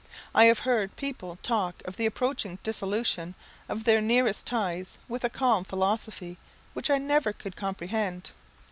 I have heard people talk of the approaching dissolution of their nearest ties with a calm philosophy which I never could comprehend.